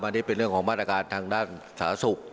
อันนี้เป็นเรื่องของมาตรการทางด้านสาธารณสุข